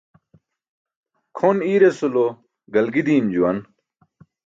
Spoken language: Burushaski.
Kʰon iirasulo galgi diim juwan.